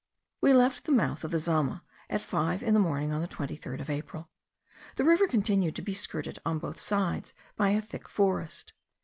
We left the mouth of the Zama at five in the morning of the 23rd of April. The river continued to be skirted on both sides by a thick forest.